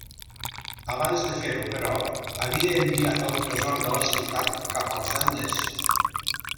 Abans de fer-ho però, havia enviat el tresor de la ciutat cap als Andes.